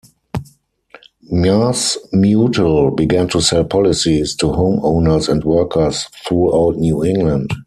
MassMutual began to sell policies to homeowners and workers throughout New England.